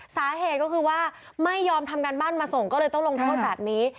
สาเหตุก็คือว่าไม่ยอมทำการบ้านมาส่งก็เลยต้องลงโทษแบบนี้